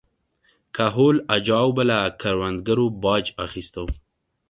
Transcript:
کهول اجاو به له کروندګرو باج اخیسته